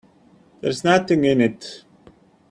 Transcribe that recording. There's nothing in it.